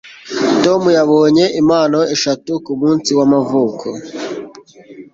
tom yabonye impano eshatu kumunsi w'amavuko